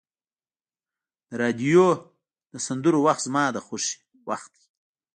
د راډیو د سندرو وخت زما د خوښۍ وخت دی.